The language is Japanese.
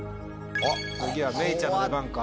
次はめいちゃんの番か？